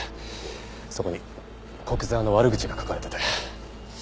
そこに古久沢の悪口が書かれてて。